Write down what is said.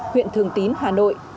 huyện thường tín hà nội